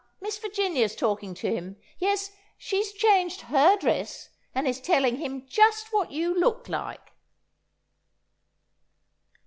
Miss Virginia's talking to him. ... Yes, she's changed her dress, and is telling him just what you look like."